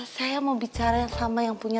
saya mau bicara yang sama yang punya